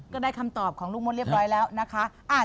ก็ได้คำตอบของลูกมดเรียบร้อยแล้วนะคะ